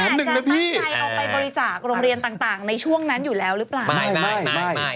ตั้งใจเอาไปบริจาคโรงเรียนต่างในช่วงนั้นอยู่แล้วหรือเปล่า